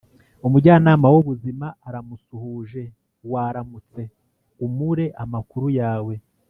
Umujyanama w ubuzima Aramusuhuje Waramutse Umure Amakuru yawe